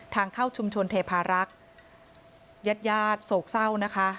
ทางเข้าชุมชนเทพารักษ์ญาติญาติโศกเศร้านะคะ